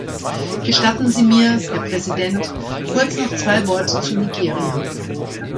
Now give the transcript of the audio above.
Gestatten Sie mir, Herr Präsident, kurz noch zwei Worte zu Nigeria.